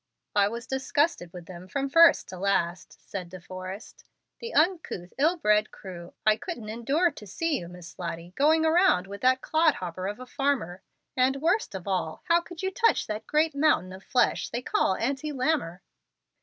"I was disgusted with them from first to last," said De Forrest, "the uncouth, ill bred crew. I couldn't endure to see you, Miss Lottie, going around with that clodhopper of a farmer, and, worst of all, how could you touch that great mountain of flesh they called Auntie Lammer?"